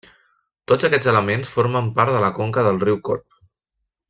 Tots aquests elements formen part de la conca del riu Corb.